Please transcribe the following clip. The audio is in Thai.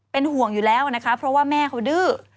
เป็นห่วงอยู่แล้วนะคะเพราะว่าแม่เขาดื้อ